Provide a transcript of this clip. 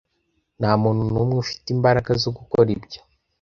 Ntamuntu numwe ufite imbaraga zo gukora ibyo.